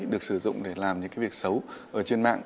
được sử dụng để làm những việc xấu ở trên mạng